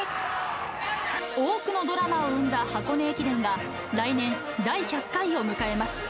多くのドラマを生んだ箱根駅伝が来年、第１００回を迎えます。